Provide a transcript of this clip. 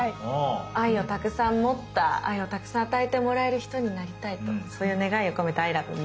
愛をたくさん持った愛をたくさん与えてもらえる人になりたいとそういう願いを込めた「Ｉｌｏｖｅｍｅ」。